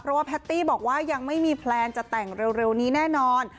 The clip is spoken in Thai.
เพราะว่าแพตตี้บอกว่ายังไม่มีแพลนจะแต่งเร็วนี้แน่นอน